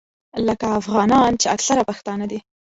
لکه افغانان چې اکثره پښتانه دي.